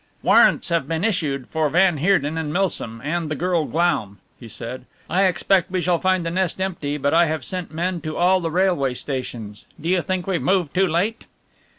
"Warrants have been issued for van Heerden and Milsom and the girl Glaum," he said. "I expect we shall find the nest empty, but I have sent men to all the railway stations do you think we've moved too late?"